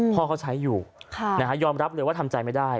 พ่อเขาใช้อยู่ยอมรับเลยว่าทำใจไม่ได้